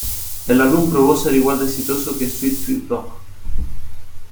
El álbum probó ser igual de exitoso que "Sweet, Sweet Rock!".